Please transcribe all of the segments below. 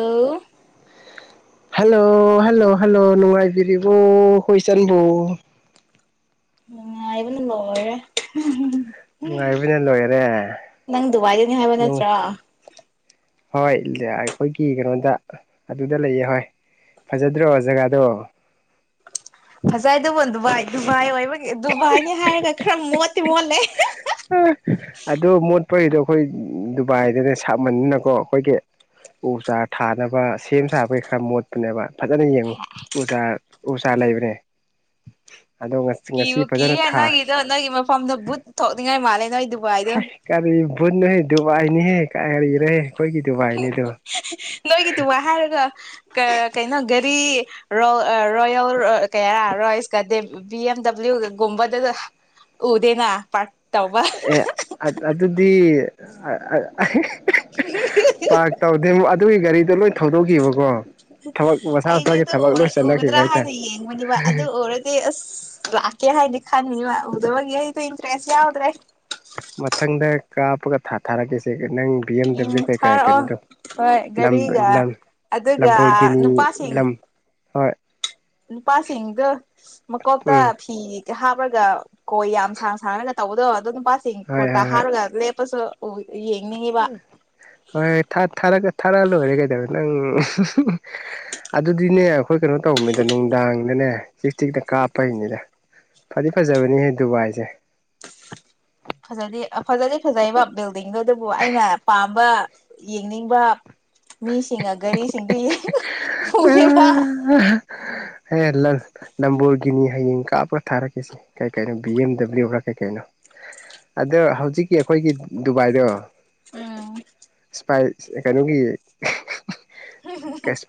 ꯑ [unintelligible] [inaudible] hello hello hello ꯅꯨꯡꯉꯥꯏꯕꯤꯔꯤꯕꯣ ꯍꯣꯏ ꯆꯟꯕꯨ ꯎꯉꯥꯏꯕꯅ ꯂꯣꯏꯔꯦ ꯅꯨꯡꯉꯥꯏꯕꯅ ꯂꯣꯏꯔꯦ ꯅꯪ ꯗꯨꯕꯥꯏꯗꯅꯤ ꯍꯥꯏꯕ ꯅꯨꯡ ꯅꯠꯇ꯭ꯔꯥ ꯍꯣꯏ ꯑꯩꯈꯣꯏꯒꯤ ꯀꯩꯅꯣꯗ ꯑꯗꯨꯗ ꯂꯩꯌꯦ ꯍꯣꯏ ꯐꯖꯗ꯭ꯔꯣ ꯖꯒꯥꯗꯣ ꯐꯖꯩꯗꯕꯣ ꯗꯨꯕꯥꯏ ꯗꯨꯕꯥꯏ ꯑꯣꯏꯕꯒꯤ ꯗꯨꯕꯥꯏꯅꯤ ꯍꯥꯏꯔꯒ ꯈꯔ ꯃꯣꯠꯇꯤ ꯃꯣꯠꯂꯦ ꯑꯗꯨꯣ ꯃꯣꯠꯄꯔꯤꯗꯣ ꯑꯩꯈꯣꯏ ꯗꯨꯕꯥꯏꯗꯅ ꯁꯥꯃꯅꯤꯅꯀꯣ ꯑꯩꯈꯣꯏꯒꯤ ꯎꯖꯥꯔ ꯊꯥꯅꯕ ꯁꯦꯝ ꯁꯥꯕꯒꯤ ꯈꯔ ꯃꯣꯠꯄꯅꯦꯕ ꯐꯖꯅ ꯌꯦꯡꯉꯨ ꯎꯖ ꯎꯖꯥ ꯂꯩꯕ꯭ꯔꯦ [unintelligible] [inaudible] ꯀꯤꯕꯨ ꯊꯥ ꯀꯤꯅꯒꯗꯣꯒꯤ ꯃ ꯐꯝꯗꯕꯨ ꯊꯣꯛꯅꯤꯡꯉꯥꯏ ꯃꯥꯜꯂꯦ ꯅ ꯑꯩ ꯗꯨꯕꯥꯏꯗ ꯅꯍ ꯗꯨꯕꯥꯏꯅꯤꯍꯦ ꯀꯔꯤꯔꯦ ꯑꯩꯈꯣꯏꯒꯤ ꯗꯨꯕꯥꯏꯅꯤꯗꯣ ꯅꯣꯏꯒꯤ ꯗꯨꯕꯥꯏ ꯍꯥꯏꯔꯒ ꯀꯩꯅꯣ ꯒꯥꯔꯤꯣ ꯔꯣꯣꯌꯜ ꯀ ꯔꯣꯁꯀꯗ ꯕꯤ ꯑꯦꯝ ꯗꯕ꯭ꯂꯤꯎ ꯣꯕꯗꯗ ꯎꯗꯦꯅꯥ ꯄ ꯑꯦ ꯑꯗꯨꯗꯤ ꯄꯥꯔ ꯇꯧꯗꯦ ꯑꯗꯨꯒꯤ ꯒꯥꯔꯤꯗꯣ ꯂꯣꯏ ꯊꯧꯗꯣꯛꯈꯤꯕꯀꯣ ꯊꯕꯛ ꯃꯁꯥ ꯑꯩꯗꯤ ꯃꯁꯥꯒꯤ ꯊꯕꯛ ꯑꯗꯨꯔ ꯂꯣꯏ ꯆꯠꯅꯈꯤꯕ ꯎꯒꯗ꯭ꯔꯥ ꯍꯥꯏꯇꯥꯔꯦ ꯍꯥꯏꯅ ꯌꯦꯡꯕꯅꯦꯕ ꯑꯗꯨ ꯎꯔꯗꯤ ꯑꯁ ꯊꯥꯀꯦ ꯍꯥꯏꯗꯤ ꯈꯥꯟꯅꯤ ꯃꯥ ꯎꯗꯕꯒꯤ ꯑꯩ ꯇ ꯏꯟꯇ꯭ꯔꯦꯁ ꯌꯥꯎꯗ꯭ꯔꯦ ꯃꯊꯪꯗ ꯀꯥꯞꯄꯒ ꯊꯥ ꯊꯥꯔꯛꯀꯦꯁꯦ ꯅꯪ ꯕꯤ ꯑꯦꯝ ꯎꯝ ꯗꯕ꯭ꯂꯤꯎ ꯀꯩꯀꯥꯏ ꯊꯥꯔꯛꯑꯣ ꯀꯩꯅꯣꯗꯣ ꯍꯣꯏ ꯂꯝ ꯒꯥꯔꯤꯒ ꯂꯝ ꯑꯗꯨꯒ ꯂꯝꯄꯣꯒꯤꯅꯤ ꯂꯝ ꯍꯣꯏ ꯅꯨꯄꯥꯁꯤꯡ ꯃꯀꯣꯇꯥ ꯎꯝ ꯐꯤ ꯍꯥꯞꯄꯒ ꯀꯣꯏ ꯌꯥꯝ ꯁꯥꯡ ꯁꯥꯡꯅꯔꯒ ꯇꯧꯕꯗꯣ ꯑꯗꯣ ꯅꯨꯄꯥꯁꯤꯡ ꯍꯣꯏ ꯀꯨꯔꯇꯥ ꯍꯣꯏ ꯍꯥꯞꯔꯒ ꯂꯦꯞꯄꯁꯨ ꯎ ꯌꯦꯡꯅꯤꯡꯉꯤꯕ ꯍꯣꯏ ꯊꯥꯔꯛ ꯂꯣꯏꯔꯦ ꯀꯩꯗꯧꯔꯦ ꯅꯪ [unintelligible] ꯑꯗꯨꯗꯤꯅꯦ ꯑꯩꯈꯣꯏ ꯀꯩꯅꯣ ꯇꯧꯕꯅꯤꯗ ꯅꯨꯡꯗꯥꯡꯗꯅꯦ ꯆꯤ ꯆꯤꯛꯇ ꯀꯥꯞꯄꯩꯅꯤꯗ ꯐꯗꯤ ꯐꯖꯕꯅꯤꯍꯦ ꯗꯨꯕꯥꯏꯁꯦ ꯐꯖꯗꯤ ꯐꯖꯗꯤ ꯐꯖꯩꯕ ꯕꯤꯜꯗꯤꯡꯗꯣ ꯑꯗꯨꯕꯨ ꯑꯩꯅ ꯄꯥꯝꯕ ꯌꯦꯡꯅꯤꯡꯕ ꯃꯤꯁꯤꯡ ꯒꯥꯔꯤꯁꯤꯡꯗ ꯌꯦꯒꯦ ꯎꯝ ꯍꯦ ꯂꯝꯕꯣꯜꯒꯤꯅꯤ ꯍꯌꯦꯡ ꯀꯥꯞꯄꯒ ꯊꯥꯔꯛꯀꯁꯤ ꯀꯩ ꯀꯩꯅꯣ ꯕꯤ ꯑꯦꯝ ꯗꯕ꯭ꯂꯤꯎꯕ꯭ꯔꯥ ꯀꯩ ꯀꯩꯅꯣ ꯑꯗꯣ ꯍꯧꯖꯤꯛꯀꯤ ꯑꯩꯈꯣꯏꯒꯤ ꯗꯨꯕꯥꯏꯗꯣ ꯎꯝ ꯏꯁꯄꯥꯏ ꯀꯩꯅꯣꯒꯤ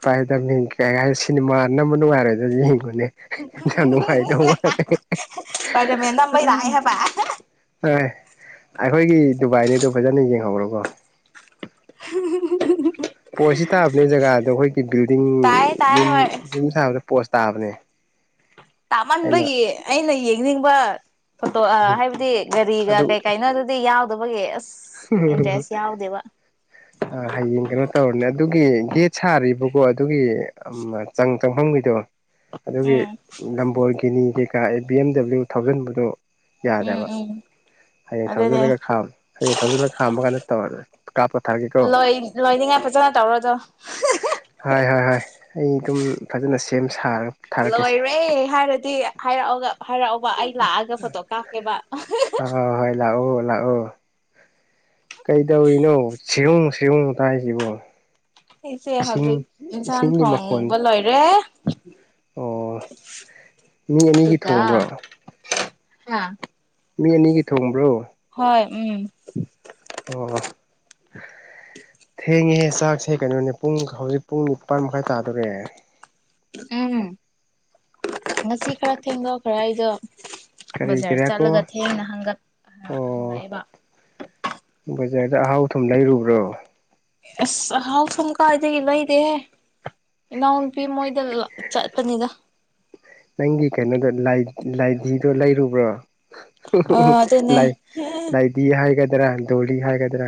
ꯄꯥꯏꯗꯕ ꯀꯩ ꯀꯥꯏ ꯁꯤꯅꯦꯃꯥꯅꯝꯕ ꯅꯨꯡꯉꯥꯏꯔꯦ ꯑꯗꯨ ꯌꯦꯡꯉꯨꯅꯦ ꯌꯥꯝ ꯅꯨꯡꯉꯥꯏꯗꯧ ꯃꯥꯂꯦ ꯁ꯭ꯄꯥꯏꯗꯔꯃꯦꯟ ꯅꯝꯕꯩ ꯂꯥꯛꯑꯦ ꯍꯥꯏꯕ ꯍ ꯑꯩꯈꯣꯏꯒꯤ ꯗꯨꯕꯥꯏꯅꯤꯗꯣ ꯐꯖꯅ ꯌꯦꯡꯍꯧ꯭ꯔꯣꯀꯣ ꯄꯣꯁꯁꯤ ꯊꯥꯕꯅꯦ ꯖꯒꯥꯗꯣ ꯑꯩꯈꯣꯏꯒꯤ ꯕꯤꯜꯗꯤꯡ ꯇꯥꯏꯌꯦ ꯇꯥꯏꯌꯦ ꯌꯨꯝ ꯍꯣꯏ ꯌꯨꯝ ꯁꯥꯕꯗ ꯄꯣꯁ ꯇꯥꯕꯅꯦ ꯑꯩꯅ ꯇꯥꯃꯟꯕꯒꯤ ꯑꯩꯅ ꯌꯦꯡꯅꯤꯡꯕ ꯐꯣꯇꯣ ꯑ ꯍꯥꯏꯕꯗꯤ ꯒꯥꯔꯤꯒ ꯀꯩ ꯀꯥꯏꯅꯣ ꯑꯗꯨꯗꯤ ꯌꯥꯎꯗꯕꯒꯤ ꯑꯁ ꯏꯟꯇꯔꯦꯁ ꯌꯥꯎꯗꯦꯕ ꯑ ꯍꯌꯦꯡ ꯀꯩꯅꯣ ꯇꯧꯔꯅꯦ ꯑꯗꯨꯒꯤ ꯒꯦꯠ ꯁꯥꯔꯤꯕꯀꯣ ꯑꯗꯨꯒꯤ ꯆꯪ ꯆꯪꯐꯝꯒꯤꯗꯣ ꯑꯗꯨꯒꯤ ꯎꯝ ꯅꯝꯕꯜꯒꯤꯅꯤ ꯀꯩꯀꯥ ꯑꯦ ꯕꯤ ꯑꯦꯝ ꯗꯕ꯭ꯂꯤꯎ ꯊꯥꯎꯖꯟꯕꯗꯨꯣ ꯎꯝ ꯌꯥꯗꯦꯕ ꯎꯝ ꯍꯌꯦꯡ ꯑꯗꯨꯅꯦ ꯊꯥꯎꯖꯤꯜꯂꯒ ꯈꯥꯝ ꯍꯌꯦꯡ ꯊꯧꯖꯤꯜꯂ ꯈꯥꯝꯕ ꯀꯥꯟꯗ ꯇꯧꯔ ꯀꯥꯞꯄ ꯊꯥꯒꯦꯀꯣ ꯂꯣꯏ ꯂꯣꯏꯅꯤꯡꯉꯥꯏ ꯐꯖꯅ ꯇꯧꯔꯣꯗꯣ ꯍꯣꯏ ꯍꯣꯏ ꯍꯣꯏ ꯑꯩ ꯑꯗꯨꯝ ꯐꯖꯅ ꯁꯦꯝ ꯁꯥꯔ ꯂꯣꯏꯔꯦ ꯍꯥꯏꯔꯗꯤ ꯍꯥꯏꯔꯛꯑꯒ ꯍꯥꯏꯔꯛꯑꯣꯕ ꯑꯩ ꯂꯥꯛꯑꯒ ꯐꯣꯇꯣ ꯀꯥꯞꯀꯦꯕ ꯆꯂꯥꯛꯑꯣ ꯀꯩꯗꯧꯔꯤꯅꯣ ꯁꯤꯍꯣꯡ ꯁꯤꯍꯣꯡ ꯇ ꯍꯥꯏꯁꯤꯕꯣ ꯏꯁꯦ ꯍꯧꯖꯤꯛ ꯏꯟꯁꯥꯡ ꯃꯈꯣꯟ ꯊꯣꯡꯕ ꯂꯣꯏꯔꯦ ꯑꯣ [unintelligible] ꯃꯤ ꯑꯅꯤꯒꯤ ꯊꯣꯡꯕ꯭ꯔꯥ ꯍꯥꯥ ꯃꯤ ꯑꯅꯤꯒꯤ ꯊꯣꯡꯕ꯭ꯔꯣ ꯍꯣꯏ ꯎꯝ ꯑꯣ ꯊꯦꯡꯉꯦꯍꯦ ꯆꯥꯛꯁꯦ ꯀꯩꯅꯣꯅꯦ ꯄꯨꯡ ꯍꯧꯖꯤꯛ ꯄꯨꯡ ꯅꯤꯄꯥꯟ ꯃꯈꯥꯏ ꯇꯥꯗꯣꯔꯦ ꯑꯝ ꯉꯁꯤ ꯈꯔ ꯊꯦꯡꯗꯧ ꯈꯔ ꯑꯩꯗꯣ ꯕꯖꯥꯔ ꯀꯔꯤꯒꯤꯔꯀꯣ ꯆꯠꯂꯒ ꯊꯦꯡꯅ ꯑꯣ ꯍꯪꯉꯛꯑꯦꯕ ꯁꯤꯖꯗ ꯑꯍꯥꯎ ꯊꯨꯝ ꯂꯩꯔꯨꯕ꯭ꯔꯣ ꯑꯁ ꯍꯥꯎ ꯁꯝ ꯀꯥꯗ ꯏꯂ ꯏꯗꯍꯦ ꯏꯅꯎ ꯄꯤꯃꯣꯣꯏꯗ ꯆꯠꯄꯅꯤꯗ ꯅꯪꯒꯤ ꯀꯩꯅꯣꯗꯣ ꯂꯥꯏꯙꯤꯗꯣ ꯂꯩꯔꯨꯕ꯭ꯔꯣ ꯑ ꯑꯗꯨꯅꯦ ꯂ ꯂꯥꯏꯗꯤ ꯍꯥꯏꯒꯗ꯭ꯔꯥ ꯗꯣꯂꯤ ꯍꯥꯏꯒꯗ꯭ꯔꯥ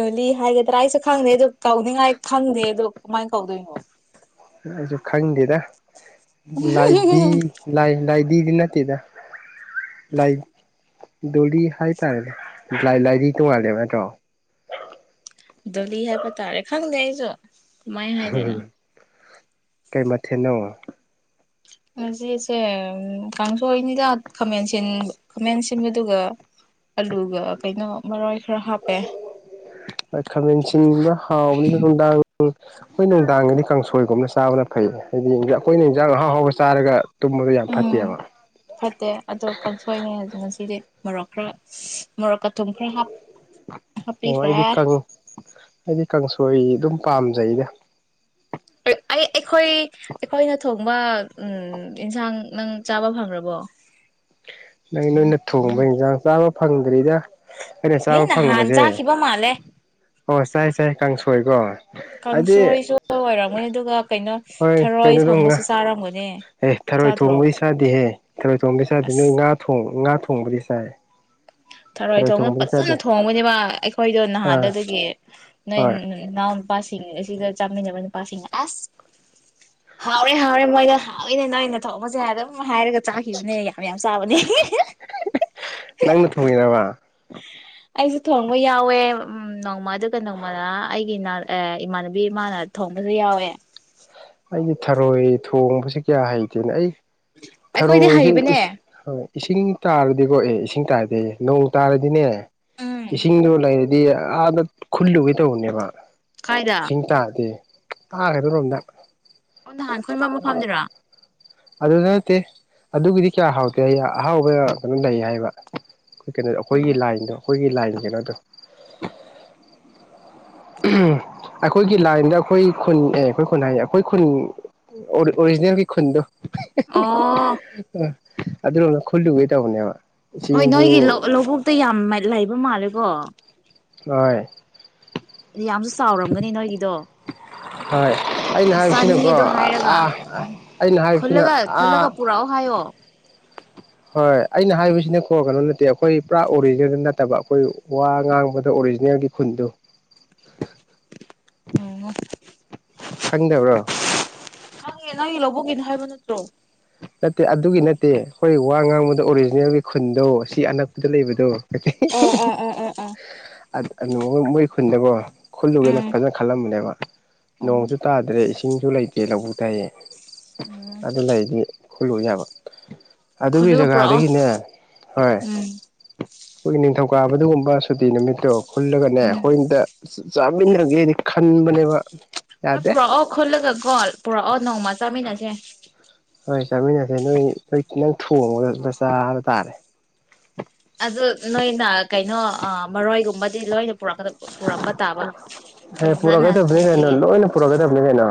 ꯗꯣꯂꯤ ꯍꯥꯏꯒꯗ꯭ꯔꯥ ꯑꯩꯁꯨ ꯈꯪꯗꯦ ꯑꯗꯣ ꯀꯧꯅꯤꯡꯉꯥꯏ ꯈꯪꯗꯦ ꯑꯗꯣ ꯀꯃꯥꯏꯅ ꯀꯧꯗꯣꯏꯅꯣ ꯑꯩꯁꯨ ꯈꯪꯗꯦꯗ ꯂꯥꯏꯗꯤ ꯂ ꯂꯥꯏ ꯑꯗꯨꯗꯅꯠꯇꯗ ꯂꯥꯏ ꯗꯣꯂꯤ ꯍꯥꯏꯇꯥꯔꯦꯅꯦꯥꯏ ꯂꯥꯏꯔꯤ ꯇꯣꯡꯉꯜꯂꯦꯃꯦꯠꯇ꯭ꯔꯣ ꯗꯂꯤ ꯍꯥꯏꯕꯇꯥꯔꯦ ꯈꯪꯒꯦꯁꯨꯣꯃꯥꯏ ꯍꯥꯏꯗꯅꯣ ꯀꯩꯃꯊꯦꯠꯅꯣ ꯉꯖꯤꯁꯦ ꯀꯥꯡꯁꯣꯏꯅꯤꯗ ꯈꯥꯃꯦꯟꯟ ꯈꯥꯃꯦꯟ ꯁꯤꯟꯕꯗꯨꯒ ꯑꯂꯨꯒ ꯀꯩꯅꯣ ꯃꯔꯣꯏ ꯈꯔ ꯍꯥꯞꯄꯦ ꯈꯥꯃꯦꯟꯁꯤꯟ ꯍꯥꯎꯅꯤꯗꯥ ꯅꯨꯗꯥꯡ ꯑꯩꯈꯣꯏꯅ ꯅꯨꯡꯗꯥꯡꯒꯤꯗꯤ ꯀꯥꯡꯁꯣꯏꯒꯨꯝꯅ ꯆꯥꯕꯅ ꯐꯩ ꯍꯥꯏꯗꯤ ꯑꯩꯈꯣꯏꯅ ꯏꯟꯖꯥꯡ ꯑꯍꯥꯎ ꯍꯥꯎꯕ ꯆꯥꯔꯒ ꯇꯨꯝꯕꯗꯣ ꯌꯥꯝ ꯎꯝ ꯐꯠꯇꯦꯕ ꯐꯠꯇꯦ ꯑꯗꯣ ꯀꯥꯡꯁꯣꯏꯅꯦ ꯉꯁꯤꯗꯤ ꯃꯔꯣꯛ ꯈꯔ ꯃꯣꯔꯣꯛꯀ ꯊꯨꯝ ꯈꯔ ꯍꯥꯞꯄꯤꯈ꯭ꯔꯦ ꯑꯩꯗꯤ ꯀꯥꯡ ꯍꯥꯏꯗꯤ ꯀꯥꯡꯁꯣꯏ ꯑꯗꯨꯝ ꯄꯥꯝꯖꯩꯗ ꯑꯩ ꯑꯩꯈꯣꯏ ꯑꯩꯈꯣꯏꯅ ꯊꯣꯡꯕ ꯎꯝ ꯌꯦꯟꯁꯥꯡ ꯅꯪ ꯆꯥꯕ ꯐꯪꯈ꯭ꯔꯕꯣ ꯅꯪ ꯅꯣꯏꯅ ꯊꯣꯡꯕ ꯌꯦꯟꯁꯥꯡ ꯆꯥꯕ ꯐꯪꯗ꯭ꯔꯤꯗ ꯑꯩꯅ ꯍꯦ ꯆꯥꯕ ꯅꯍꯥꯟ ꯐꯪꯕꯁꯦ ꯆꯥꯈꯤꯕ ꯃꯥꯜꯂꯦ ꯑꯣ ꯆꯥꯏ ꯆꯥꯏ ꯀꯥꯡ ꯁꯣꯏꯀꯣ ꯀꯥꯡꯁꯣꯏꯁꯨ ꯑꯣꯏꯔꯝꯒꯅꯤ ꯑꯗꯨꯒ ꯀꯩꯅꯣ ꯍꯣꯏ ꯊꯔꯣꯏ ꯀꯩꯅꯣꯗꯣ ꯉꯥ ꯊꯣꯡꯕꯁꯨ ꯆꯥꯔꯝꯒꯅꯤ ꯑꯦ ꯊꯔꯣꯏ ꯆꯥꯗ꯭ꯔꯣ ꯊꯣꯡꯕꯩ ꯆꯥꯗꯤꯦꯍꯦ ꯊꯔꯣꯏ ꯊꯣꯡꯕꯩ ꯆꯗꯤꯦ ꯑꯁ ꯅꯣꯏ ꯉꯥ ꯊꯣꯡ ꯉꯥ ꯉꯥ ꯊꯣꯉꯕꯥ ꯗꯤ ꯆꯥꯏ [inaudible] [inaudible] ꯊꯔꯣꯏ ꯊꯣꯡꯅ ꯊꯣꯡꯕꯗꯤ ꯆꯥꯗꯦ ꯐꯖꯅ ꯊꯣꯡꯕꯅꯦꯕ ꯑꯩꯈꯣꯏꯗꯣ ꯑꯥ ꯅꯍꯥꯟꯗꯨꯗꯒꯤ ꯅꯣꯏ ꯍꯣꯏ ꯏꯅꯥꯎ ꯄꯁꯤꯡ ꯁꯤꯗ ꯆꯥꯃꯤ ꯆ ꯄꯁꯤ ꯑꯦꯁ ꯍꯥꯎꯔꯦ ꯍꯥꯎꯔꯦ ꯃꯣꯏꯅ ꯍꯥꯎꯋꯦꯅꯦ ꯅꯪ ꯑꯩꯅ ꯊꯧꯑꯄꯁꯦ ꯍꯥꯏꯗꯣ ꯁ ꯍꯥꯏꯔꯒ ꯆꯥꯈꯤꯕꯅꯦ ꯌꯥꯝ ꯌꯥꯝ ꯆꯥꯕꯅꯤ ꯅꯪꯅ ꯊꯣꯡꯉꯩ ꯅꯕꯥ ꯑꯩꯁꯨꯦ ꯊꯣꯡꯕ ꯌꯥꯎꯋꯦ ꯎ ꯅꯣꯡꯃ ꯑꯗꯨꯒ ꯅꯣꯡꯃꯅ ꯑꯩꯒꯤ ꯏꯃꯥꯟꯅꯕꯤ ꯏꯃꯥꯅ ꯊꯣꯡ ꯗꯗꯤ ꯌꯥꯋꯦ ꯑꯩꯒꯤ ꯊꯔꯣꯏ ꯊꯣꯡꯕꯕꯁꯤꯦ ꯀꯌꯥ ꯍꯩꯇꯦꯅ ꯑꯩ ꯑꯩꯈꯣꯏꯗꯤ ꯊꯔꯣꯏꯁꯦ ꯍꯩꯕꯅꯦ ꯍꯣꯏ ꯏꯁꯤꯡ ꯇꯥꯔ ꯗꯤꯀꯣ ꯑꯦ ꯏꯁꯤꯡ ꯇꯥꯔꯗꯦ ꯅꯣꯡ ꯇꯥꯔꯗꯤꯅꯦ ꯎꯝ ꯏꯁꯤꯡꯗꯣ ꯂꯩꯔ ꯍꯥꯏꯗꯤ ꯑꯥꯗ ꯈꯨꯜꯂꯨꯒꯦ ꯇꯧꯕꯅꯦꯕ ꯀꯥꯏꯗ ꯏꯁꯤꯡ ꯇꯥꯗꯤꯦ ꯑꯔꯔꯣꯝꯗ ꯑꯣ ꯅꯍꯥꯟ ꯈꯣꯏꯕ ꯑꯃ ꯐꯝꯗꯔꯣ ꯑꯗꯨꯗ ꯅꯠꯇꯦ ꯑꯗꯨꯒꯤꯗꯤ ꯀꯌꯥ ꯍꯥꯎꯇꯦ ꯑꯩ ꯑꯍꯥꯎꯕ ꯀꯩꯅꯣ ꯂꯩ ꯍꯥꯏꯕ ꯑꯩꯈꯣꯏ ꯀꯩꯅꯣꯗꯣ ꯑꯩꯈꯣꯏꯒꯤ ꯂꯥꯏꯟꯗꯣ ꯑꯩꯈꯣꯏꯒꯤ ꯂꯥꯏꯟ ꯀꯩꯅꯣꯗꯣ [inaudible] [inaudible] ꯑꯩꯈꯣꯏꯒꯤ ꯂꯥꯏꯟꯗ ꯑꯩꯈꯣꯏ ꯈꯨꯟ ꯑꯦ ꯑꯩꯈꯣꯏ ꯈꯨꯟ ꯍꯥꯏꯌꯦ ꯑꯩꯈꯣꯏ ꯈꯨꯟ ꯑꯣꯔꯤꯖꯅꯦꯜ ꯀ ꯈꯨꯟꯗ ꯑꯣ ꯑꯗꯨꯅ ꯈꯣꯂꯤ ꯏ ꯍꯅꯤ ꯍꯣꯏ ꯅꯣꯏꯒꯤ ꯂꯧꯕꯨꯇ ꯌꯥꯝ ꯂꯩꯕ ꯃꯥꯜꯂꯦꯀꯣ ꯍꯣꯏ ꯑꯗꯨ ꯌꯥꯝꯁꯨ ꯆꯥꯎꯔꯝꯒꯅꯤ ꯅꯣꯏꯒꯤꯗꯣ ꯍꯣꯏ ꯑꯩꯅ ꯑꯁ ꯍꯥꯏꯕꯁꯤꯅꯀꯣ ꯆꯥꯅꯤꯡꯉꯦꯗꯣ ꯍꯥꯏꯔꯒ ꯑꯥ ꯑꯩꯅ ꯍꯥꯏꯕꯁꯤꯅ ꯈꯣꯜꯂꯒ ꯑꯥ ꯈꯣꯜꯂꯒ ꯄꯨꯔꯛꯑꯣ ꯍꯥꯏꯣ ꯍꯣꯏ ꯑꯩꯅ ꯍꯥꯏꯕꯁꯤꯅꯀꯣ ꯀꯩꯅꯣ ꯅꯠꯇꯦ ꯑꯩꯈꯣꯏ ꯄꯨꯔꯥ ꯑꯣꯔꯤꯖꯤꯅꯦꯜꯗ ꯅꯠꯇꯦ ꯐꯠꯇꯕ ꯑꯩꯈꯣꯏ ꯋꯥ ꯉꯥꯡꯕꯗ ꯑꯣꯔꯤꯖꯤꯅꯦꯜꯒꯤ ꯈꯨꯟꯗꯨ ꯑꯣ ꯈꯪꯗꯕ꯭ꯔꯣ ꯅꯪꯉꯦ ꯅꯪꯒꯤ ꯂꯧꯕꯒꯤꯅ ꯍꯥꯏꯕ ꯅꯠꯇ꯭ꯔꯣ ꯅꯠꯇꯦ ꯑꯗꯨꯒꯤ ꯅꯠꯇꯦ ꯑꯩꯈꯣꯏ ꯋꯥ ꯉꯥꯡꯕꯗ ꯑꯣꯔꯤꯖꯤꯅꯦꯜꯒꯤ ꯈꯨꯟꯗꯣ ꯁꯤ ꯑꯅꯛꯄꯗ ꯂꯩꯕꯗꯣ ꯎ ꯑꯣ ꯎ ꯎ ꯃꯣꯏ ꯈꯨꯟꯗꯀꯣ ꯈꯨꯜꯂꯨꯒꯦꯅ ꯐꯖꯅ ꯈꯜꯂꯝꯕꯅꯦꯕ ꯎꯝ ꯅꯣꯡꯁꯨ ꯇꯥꯗ꯭ꯔꯦ ꯏꯁꯤꯡꯁꯨ ꯂꯩꯇꯦ ꯂꯧꯕ ꯇꯥꯏꯌꯦ ꯎꯝ ꯑꯗꯨ ꯂꯩꯗꯤ ꯍꯨꯜꯂꯨ ꯌꯥꯕ ꯑꯗꯨꯒꯤ ꯈꯨꯜꯂꯒ ꯄꯨꯔꯛꯑꯣ ꯖꯒꯥꯗꯒꯤꯅꯦ ꯍꯣꯏ ꯎꯝ ꯑꯩꯈꯣꯏꯒꯤ ꯅꯤꯡꯊꯧꯀꯥꯕ ꯑꯗꯨꯒꯒꯨꯝꯕ ꯁꯨꯇꯤ ꯅꯨꯃꯤꯠꯇꯣ ꯈꯨꯜꯂꯒꯅꯦ ꯎꯝ ꯑꯩꯈꯣꯏꯝꯇ ꯆꯥꯃꯤꯟꯅꯒꯦꯗꯤ ꯈꯟꯕꯅꯦꯕ ꯍꯣꯏ ꯌꯥꯗꯦ ꯄꯨꯔꯥ ꯑꯣ ꯈꯣꯜꯂꯒ ꯀꯣꯜ ꯄꯨꯔꯥ ꯑꯣ ꯅꯣꯡꯃ ꯆꯥꯃꯤꯟꯅꯁꯦ ꯍꯣꯏ ꯆꯥꯃꯤꯟꯅꯁꯦ ꯅꯣꯏ ꯅꯣꯏ ꯅꯪ ꯊꯣꯡꯉꯒ ꯄꯨ ꯆꯥꯕ ꯇꯥꯔꯦ ꯑꯗꯨ ꯅꯣꯏꯅ ꯀꯩꯅꯣ ꯃꯔꯣꯏꯒꯨꯝꯕꯗꯤ ꯂꯣꯏꯅ ꯛ ꯄꯨꯔꯛꯄ ꯇꯥꯕ ꯍꯦ ꯐꯖꯅ ꯄꯨꯔꯛꯀꯗꯕꯅꯤ ꯀꯩꯅꯣ ꯊꯣꯡꯝꯕꯤꯌꯦꯦ ꯂꯣꯏꯅ ꯄꯨꯔꯛꯀꯗꯕꯅꯤ ꯀꯩꯅꯣ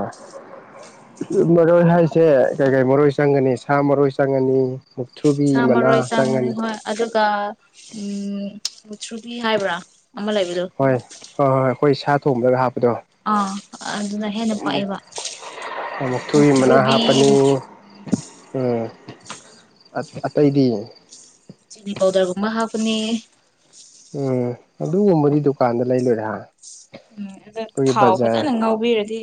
ꯃꯔꯣꯏ ꯍꯥꯏꯁꯦ ꯀꯩ ꯀꯩ ꯃꯔꯣꯏ ꯆꯪꯒꯅꯤ ꯁꯥ ꯃꯔꯣꯏ ꯆꯪꯉꯅꯤ ꯁꯥ ꯃꯔꯣꯏ ꯆꯪꯉꯅꯤ ꯍꯣꯏ ꯑꯗꯨꯒ ꯎ ꯃꯨꯊ꯭ꯔꯨꯕꯤ ꯍꯥꯏꯕ꯭ꯔꯥ ꯑꯃ ꯂꯩꯕꯗꯣ ꯍꯣꯏ ꯍꯣꯏ ꯍꯣꯏ ꯍꯣꯏ ꯑꯩꯈꯣꯏ ꯁꯥ ꯊꯣꯡꯕꯒ ꯍꯥꯞꯄ ꯑꯥ ꯑꯗꯨꯅ ꯍꯦꯟꯅ ꯄꯥꯛꯕ ꯑꯃꯨꯛ ꯊꯨ ꯃꯅꯥ ꯍꯥꯞꯄꯅꯤ ꯎꯝ ꯑ ꯑꯇꯩꯗꯤ ꯆꯤꯂꯤ ꯄꯥꯎꯗꯔꯒꯨꯝꯕ ꯍꯥꯞꯄꯅꯦ ꯎꯝ ꯑꯗꯨꯒꯨꯝꯕꯗꯤ ꯗꯨꯀꯥꯟꯗ ꯂꯩ ꯂꯣꯏꯔꯦ ꯎꯝ ꯑꯗ ꯑꯩꯈꯣꯏꯒꯤ ꯊꯥꯎ ꯐꯖꯅ ꯕꯖꯥꯔ ꯉꯥꯎꯕꯤꯔꯗꯤ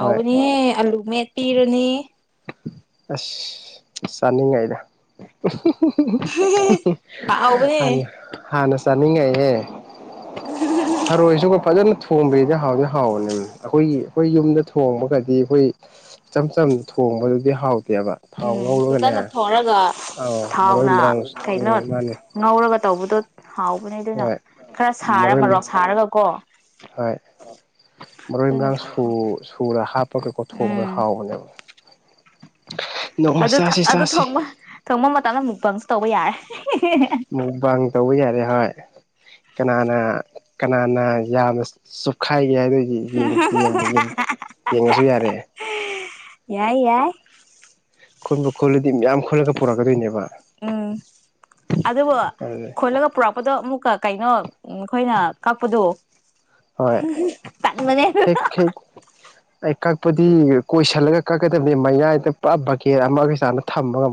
ꯍꯣꯏ ꯑꯂꯨ ꯃꯦꯠꯄꯤꯤꯔꯨꯅꯦ ꯑꯁ ꯆꯥꯅꯤꯡꯉꯥꯏꯗ ꯍꯥꯎꯕꯅꯦ ꯍꯥꯟꯅ ꯆꯥꯅꯤꯡꯉꯥꯏꯍ ꯊꯔꯣꯏꯁꯨꯒ ꯐꯖꯅ ꯊꯣꯡꯕꯒꯤꯗꯤ ꯍꯥꯎꯗꯤ ꯍꯥꯎꯕꯅꯦꯕ ꯑꯩꯈꯣꯏꯒꯤ ꯑꯩꯈꯣꯏ ꯌꯨꯝꯗ ꯊꯣꯡꯕꯒꯗꯤ ꯑꯩꯈꯣꯏ ꯏꯆꯝ ꯆꯝ ꯊꯣꯡꯕꯗꯨꯗꯤ ꯍꯥꯎ ꯎꯝ ꯐꯖꯅ ꯊꯔꯒ ꯑꯧ ꯃꯔꯣꯏ ꯊꯥꯎꯅ ꯃꯔꯥꯡ ꯀꯩꯅꯣ ꯎꯝ ꯃꯥꯅꯦ ꯉꯧꯔꯒ ꯇꯧꯕꯗꯣ ꯍꯥꯎꯕꯅꯦ ꯑꯗꯨꯅ ꯍꯣꯏ ꯈꯔ ꯁꯥꯔ ꯃꯔꯣꯏ ꯃꯔꯣꯛ ꯁꯥꯔꯒ ꯀꯣ ꯍꯣꯏ ꯃꯔꯣꯏ ꯑꯗꯨꯅ ꯃꯔꯥꯡ ꯁꯨꯔ ꯍꯥꯞꯄꯒꯩꯀꯣ ꯊꯣꯡꯕꯒ ꯎꯝ ꯍꯥꯎꯕꯅꯦꯕ ꯅꯣꯡꯃ ꯑꯗꯨ ꯆꯥꯁꯤ ꯑꯗꯨꯕ ꯆꯥꯁꯤ ꯊꯣꯡꯕ ꯃꯇꯝꯗ ꯃꯨꯛꯄꯪꯁꯨ ꯇꯧꯕ ꯌꯥꯔꯦ ꯃꯨꯛꯕꯥ ꯇꯧꯕ ꯌꯥꯔꯦ ꯍꯣꯏ ꯀꯅꯥꯅ ꯀꯅꯥꯅ ꯌꯥꯝꯅ ꯍꯥꯏꯒꯦ ꯍꯥꯏꯗꯣꯏꯗꯤ ꯌꯦꯕ ꯌꯦꯡꯉꯁꯨ ꯌꯥꯔꯛꯦ ꯌꯥꯏ ꯌꯥꯏ ꯈꯨꯟꯕ ꯈꯣꯜꯂꯗꯤ ꯃꯌꯥꯝ ꯈꯨꯜꯂꯒ ꯄꯨꯔꯛꯀꯗꯣꯏꯅꯦꯕ ꯎꯝ ꯑꯗꯨꯕꯨ ꯑꯗꯨ ꯈꯣꯠꯂꯒ ꯄꯨꯔꯛꯄꯗꯣ ꯑꯃꯨꯛꯀ ꯀꯩꯅꯣ ꯎ ꯑꯩꯈꯣꯏꯅ ꯀꯛꯄꯗꯣ ꯍꯣꯏ ꯇꯟꯕꯅꯦ ꯍꯦꯛ ꯍꯦꯛ ꯑꯩ ꯀꯛꯄꯗꯤ ꯀꯣꯏꯁꯤꯜꯂꯒ ꯀꯛꯀꯗꯕꯅꯤ ꯃꯌꯥꯏꯗ ꯄꯨꯔ ꯕꯀꯦꯠ ꯑꯃꯒ ꯆꯥꯅ ꯊꯝꯃꯒ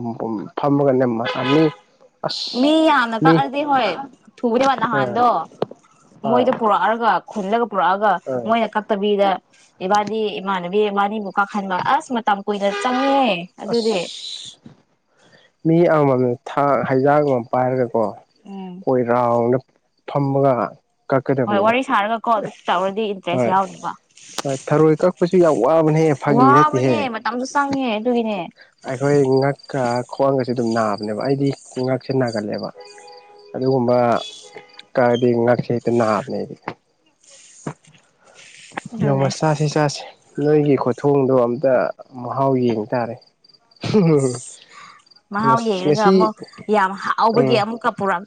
ꯐꯝꯕ ꯀ ꯃꯁꯥꯅꯤ [inaudible] ꯃꯤ ꯌꯥꯝꯅ ꯀꯥꯛꯑꯗꯤ ꯍꯣꯏ ꯊꯨꯕꯅꯦ ꯑ ꯅꯍꯥꯟꯗꯣ ꯍꯣꯏ ꯃꯣꯏꯗ ꯄꯨꯔꯛꯑꯒ ꯈꯤꯜꯂꯒ ꯄꯨꯔꯛꯑꯒ ꯍꯣꯏ ꯃꯣꯏꯅ ꯀꯛꯇꯕꯤꯗ ꯏꯕꯥꯅꯤ ꯏꯃꯥꯟꯅꯕꯤ ꯏꯕꯥꯅꯤꯕꯨ ꯀꯛꯍꯟꯕ ꯑꯁ ꯃꯇꯝ ꯀꯨꯏꯅ ꯆꯪꯉꯦ ꯑꯗꯨꯗꯤ ꯑꯁ ꯃꯤ ꯑꯃꯃꯝꯅ ꯍꯩꯖꯥꯡ ꯑꯃ ꯄꯥꯏꯔꯒꯀꯣ ꯎꯝ ꯑꯩꯈꯣꯏ ꯔꯥꯎꯗ ꯐꯝꯃꯒ ꯍꯣꯏ ꯀꯛꯀꯗꯕꯅꯤꯗ ꯋꯥꯔꯤ ꯁꯥꯔꯒꯀꯣ ꯑꯗꯨ ꯇꯧꯔꯗꯤ ꯏꯟꯇꯔꯦꯁ ꯍꯣꯏ ꯌꯥꯎꯗꯧꯕ ꯍꯣꯏ ꯊꯔꯣꯏ ꯀꯛꯄꯁꯨ ꯌꯥꯝ ꯋꯥꯕꯅꯍꯦ ꯐꯥꯒꯤ ꯅꯠꯇꯦꯍꯦ ꯌꯥꯝ ꯁꯥꯡꯌꯦ ꯑꯩꯈꯣꯏ ꯉꯛꯀ ꯈ꯭ꯋꯥꯡꯒꯁꯦ ꯑꯗꯨꯝ ꯅꯥꯕꯅꯦꯕ ꯑꯩꯗꯤ ꯉꯛꯁꯦ ꯅꯥꯒꯜꯂꯦꯕ ꯑꯗꯨꯒꯨꯝꯕ ꯀꯥꯛꯑꯗꯤ ꯉꯛꯁꯦ ꯍꯦꯛꯇ ꯅꯥꯕꯅꯦ [unintelligible] ꯅꯣꯡꯃꯥ ꯑꯗꯨꯅꯦ ꯆꯥꯁꯤ ꯆꯥꯁꯤ ꯅꯣꯏꯒꯤ ꯈꯨꯊꯣꯡꯗꯣ ꯑꯝꯇ ꯃꯍꯥꯎ ꯌꯦꯡ ꯇꯥꯔꯦ ꯃꯍꯥꯎ ꯌꯦꯔꯒ ꯉꯁꯤ ꯑꯃꯨꯛ ꯌꯥꯝ ꯍꯥꯎꯕꯒꯤ ꯎꯝ ꯑꯃꯨꯛꯀ ꯄꯨꯔꯛ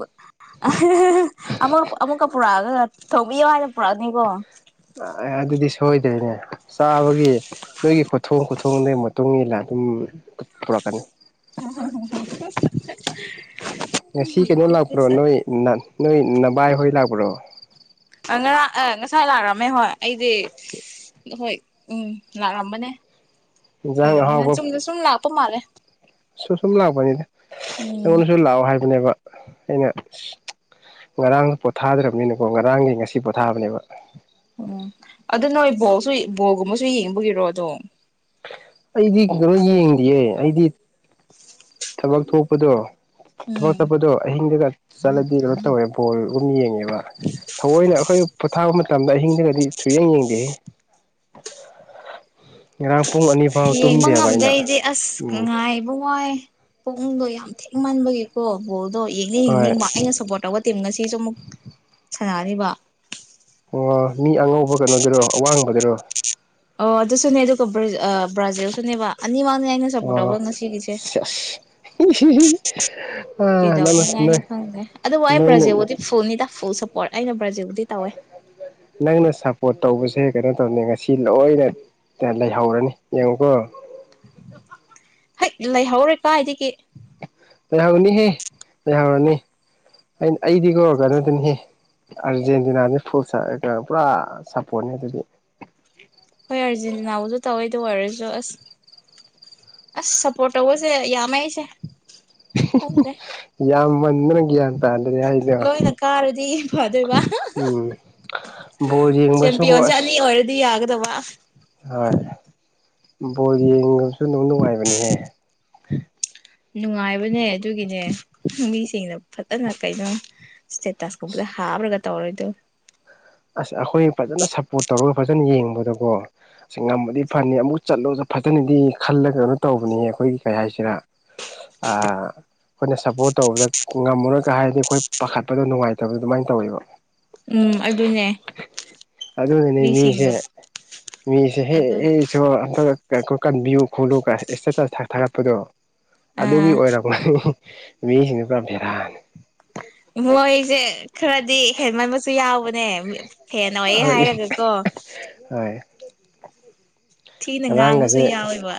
ꯑꯃꯨ ꯑꯃꯨꯛꯀ ꯄꯨꯔꯛꯑꯒ ꯊꯧꯕꯤꯌꯣ ꯍꯥꯏꯅ ꯄꯨꯔꯛꯑꯅꯤꯀꯣ ꯑꯗꯨꯗꯤ ꯁꯣꯏꯗ꯭ꯔꯦꯅꯦ ꯆꯥꯕꯒꯤ ꯅꯣꯏꯒꯤ ꯈꯨꯊꯣꯡ ꯈꯨꯊꯣꯡꯗꯨꯒꯤ ꯃꯇꯨꯡ ꯏꯟꯅ ꯑꯗꯨꯝ ꯄꯨꯔꯛꯀꯅꯤ ꯍꯥ ꯍꯥ ꯉꯁꯤ ꯀꯩꯅꯣ ꯂꯥꯛꯄ꯭ꯔꯣ ꯅꯣꯏ ꯍꯥ ꯅꯣꯏ ꯅꯕꯥꯏꯍꯣꯏ ꯂꯥꯛꯄ꯭ꯔꯣ ꯑ ꯉꯔꯥꯡ ꯑ ꯉꯁꯥꯏ ꯂꯥꯛꯑꯝꯃꯦ ꯍꯣꯏ ꯑꯩꯗꯤ ꯍꯣꯏ ꯎꯝ ꯂꯥꯛꯑꯝꯕꯅꯦ ꯏꯟꯖꯥꯡ ꯀꯩꯗꯧꯅꯤꯡꯉꯥꯢꯅ ꯑꯍꯥꯎꯕ ꯆꯨꯝꯅ ꯁꯨꯝ ꯂꯥꯛꯄ ꯃꯥꯜꯂꯦ ꯁꯨꯝ ꯁꯨꯝ ꯂꯥꯛꯄꯅꯤꯗ ꯎꯝ ꯑꯩꯉꯣꯟꯗꯁꯨ ꯂꯥꯛꯑꯣ ꯍꯥꯏꯕꯅꯦꯕ ꯑꯩꯅ ꯉꯔꯥꯡꯗꯣ ꯄꯣꯊꯥꯗ꯭ꯔꯕꯅꯤꯅꯀꯣ ꯉꯔꯥꯡꯒꯤ ꯉꯁꯤ ꯄꯣꯊꯥꯕꯅꯦꯕ ꯑꯣ ꯅꯣꯏ ꯕꯣꯜꯁꯨ ꯕꯣꯜꯒꯨꯝꯕꯁꯨ ꯑꯗꯨ ꯌꯦꯡꯕꯒꯤꯔꯣ ꯑꯗꯣ ꯑꯩꯗꯤ ꯀꯩꯅꯣ ꯌꯦꯡꯗꯤꯌꯦ ꯑꯩꯗꯤ [inaudible] ꯊꯕꯛ ꯊꯣꯛꯄꯗꯣ ꯊꯕꯛ ꯎꯝ ꯆꯠꯄꯗꯣ ꯑꯍꯤꯡꯗꯒ ꯆꯠꯂꯗꯤ ꯀꯩꯅꯣ ꯇꯧꯋꯦ ꯕꯣꯜꯒꯗꯨꯝ ꯌꯦꯡꯉꯦꯕ ꯊꯑꯣꯏꯅ ꯑꯩꯈꯣꯏ ꯄꯣꯊꯥꯕ ꯃꯇꯝꯗ ꯑꯍꯤꯡꯗꯨꯒꯗꯤ ꯁꯨꯌꯦꯡ ꯌꯦꯡꯗꯦꯍꯦ ꯉꯔꯥꯡ ꯄꯨꯡ ꯑꯅꯤ ꯐꯥꯎ ꯌꯦꯡꯕ ꯇꯨꯝꯗꯦꯕ ꯑꯩꯅ ꯉꯝꯗꯩꯗꯤ ꯑꯁ ꯎꯝ ꯉꯥꯏꯕ ꯋꯥꯏ ꯄꯛꯗꯣ ꯌꯥꯝ ꯊꯦꯡꯃꯟꯕꯒꯤꯀꯣ ꯕꯣꯜ ꯑꯗꯣ ꯌꯦꯡꯅꯤꯡ ꯍꯣꯏ ꯌꯦꯡꯅꯤꯡꯕ ꯑꯩꯅ ꯁꯞꯄꯣꯔꯠ ꯇꯧꯕ ꯇꯤꯝ ꯉꯁꯤꯁꯨ ꯑꯃꯨꯛ ꯁꯥꯟꯅꯅꯤꯕ ꯑꯣ ꯃꯤ ꯑꯉꯧꯕ ꯀꯩꯅꯣꯗꯨꯔꯣ ꯑꯋꯥꯡꯕꯗꯨꯔꯣ ꯑꯣ ꯑꯗꯨꯁꯨꯅꯦ ꯑꯗꯨꯒ ꯕ꯭ꯔꯥꯖꯤꯜꯁꯨꯅꯦꯕ ꯅꯦꯃꯥꯔꯅꯦ ꯑꯩꯅ ꯁꯄꯣꯔꯠ ꯇꯧꯕ ꯑꯣ ꯉꯥꯁꯤꯒꯤꯁꯦ ꯁꯦꯁ ꯍꯤ ꯍꯤ ꯍꯤ ꯑ ꯅꯪꯅ ꯀꯩꯗꯧꯅꯤꯉꯥꯏꯅꯣ ꯅꯣꯏ ꯈꯪꯗ꯭ꯔꯦ ꯑꯗꯨ ꯋꯥꯏ ꯅꯣꯏꯅ ꯕ꯭ꯔꯥꯖꯦꯜꯕꯨꯗꯤ ꯐꯨꯜꯅꯤꯗ ꯐꯨꯜ ꯁꯞꯄꯣꯔꯠ ꯑꯩꯅ ꯕ꯭ꯔꯥꯖꯤꯜꯕꯨꯗꯤ ꯇꯧꯋꯦ ꯅꯪꯅ ꯁꯥ ꯄꯣꯠ ꯇꯧꯕꯁꯦ ꯀꯩꯅꯣ ꯇꯧꯅꯤ ꯉꯁꯤ ꯂꯣꯏꯅ ꯂꯩꯍꯧꯔꯅꯤ ꯌꯦꯡꯉꯨꯀꯣ ꯍꯦꯛ ꯂꯩꯍꯧꯔꯣꯢ ꯀꯥꯏꯗꯒꯤ ꯂꯩꯍꯧꯔꯅꯤꯍꯦ ꯂꯩꯍꯧꯔꯅꯤ ꯑꯩꯗꯤꯀꯣ ꯀꯩꯅꯣꯗꯨꯅꯤ ꯑꯔꯖꯦꯟꯇꯤꯅꯥꯅꯤ ꯐꯨꯜ ꯄꯨꯔꯥ ꯁꯄꯣꯔꯠꯅꯦ ꯑꯗꯨꯗꯤ ꯍꯣꯏ ꯑꯥꯔꯖꯦꯟꯇꯤꯅꯥꯕꯨꯁꯨ ꯇꯧꯋꯦ ꯑꯗꯨ ꯑꯣꯏꯔꯁꯨ ꯑꯁ ꯑꯁ ꯁꯄꯣꯠ ꯇꯧꯕꯁꯦ ꯌꯥꯝꯃꯦ ꯑꯩꯁꯦ ꯈꯪꯗ꯭ꯔꯦ ꯌꯥꯝꯃꯟꯗꯅ ꯒꯌꯥꯟ ꯔꯗꯅꯦ ꯍꯥꯏꯂ ꯂꯣꯏꯅ ꯀꯥꯔꯗꯤ ꯐꯗꯣꯏꯕ ꯎꯝ [inaudible] ꯕꯣꯜ ꯌꯦꯡꯕꯁꯨ ꯀꯣ ꯆꯦꯝꯄꯤꯌꯟꯁꯦ ꯑꯁ ꯑꯅꯤ ꯑꯣꯏꯔꯗꯤ ꯌꯥꯒꯗꯕ ꯍꯣꯏ ꯕꯣꯜ ꯌꯦꯡꯕꯁꯨ ꯑꯗꯨꯝ ꯅꯨꯡꯉꯥꯏꯕꯅꯦꯍꯦ ꯅꯨꯡꯉꯥꯏꯕꯅꯦ ꯑꯗꯨꯒꯤꯅꯦ ꯃꯤꯁꯤꯡꯅ ꯐꯠꯇꯅ ꯀꯩꯅꯣ ꯁꯇꯦꯇꯁ ꯍꯥꯞꯄꯒ ꯇꯧꯔꯣꯏꯗ ꯑꯁ ꯑꯩꯈꯣꯏ ꯐꯖꯅ ꯁꯞꯄꯣꯔꯠ ꯇꯧꯔꯒ ꯐꯖꯅ ꯌꯦꯡꯕꯗꯀꯣ ꯁꯤ ꯉꯃꯗꯤ ꯐꯅꯤ ꯑꯃꯨꯛ ꯆꯠꯂꯣꯁꯨ ꯐꯖꯅꯗꯤ ꯈꯜꯂꯒ ꯀꯩꯅꯣ ꯇꯧꯕꯅꯤ ꯑꯩꯈꯣꯏꯒꯤ ꯀꯩ ꯍꯥꯏꯁꯤꯔ ꯑ ꯑꯩꯈꯣꯏꯅ ꯁꯞꯄꯣꯔꯠ ꯇꯧꯕꯗ ꯉꯝꯃꯨꯔꯒ ꯍꯥꯏꯔꯗꯤ ꯑꯩꯈꯣꯏ ꯄꯥꯈꯠꯄꯗꯣ ꯅꯨꯡꯉꯥꯏꯇꯕꯗꯣ ꯑꯗꯨꯃꯥꯏꯅ ꯇꯧꯋꯦꯕ ꯎꯝ ꯑꯗꯨꯅꯦ ꯑꯗꯨꯅꯅꯦ ꯃꯤꯁꯦ ꯃꯤꯁꯤꯡꯁꯦ ꯃꯤꯁꯦ ꯍꯦ ꯑꯗꯨ ꯏꯁꯣꯔ ꯑꯝꯇ ꯀꯟꯕꯤꯌꯨ ꯈꯣꯂꯨ ꯏꯁꯇꯦꯇꯁ ꯊꯥꯒꯠꯄꯗꯣ ꯑꯗꯨꯒꯤ ꯑꯥ ꯑꯣꯏꯔꯝꯒꯅꯤ ꯃꯤ ꯁꯤꯅ ꯕꯦꯔꯥꯅꯤ ꯃꯣꯏꯁꯦ ꯈꯔꯗꯤ ꯍꯦꯟꯃꯟꯕꯁꯨ ꯌꯥꯎꯕ ꯅꯦ ꯐꯦꯟꯅ ꯑꯣꯏꯌꯦ ꯍꯣꯏ ꯍꯥꯏꯔꯒꯀꯣ ꯍꯣꯏ ꯊꯤꯅ ꯉꯥꯡꯕꯁꯨ ꯉꯔꯥꯡꯒꯁꯦ ꯌꯥꯎꯋꯦꯕ